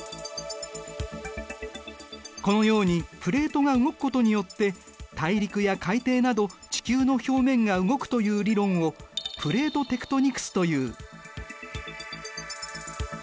このようにプレートが動くことによって大陸や海底など地球の表面が動くという理論をプレートテクトニクスという。